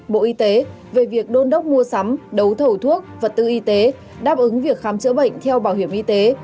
bộ y tế về việc đôn đốc mua sắm đấu thầu thuốc vật tư y tế đáp ứng việc khám chữa bệnh theo bảo hiểm y tế